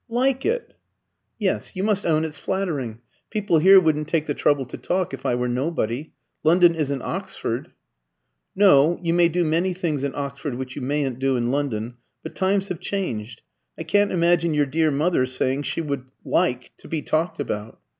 "Like it?" "Yes. You must own it's flattering. People here wouldn't take the trouble to talk if I were nobody. London isn't Oxford." "No; you may do many things in Oxford which you mayn't do in London. But times have changed. I can't imagine your dear mother saying she would 'like' to be talked about."